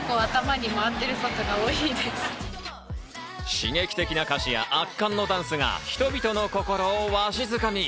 刺激的な歌詞や圧巻のダンスが人々の心をわしづかみ。